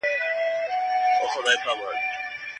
دا مي سمنډوله ده برخه مي لا نوره ده.